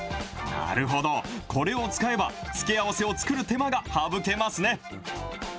なるほど、これを使えば、付け合わせを作る手間が省けますね。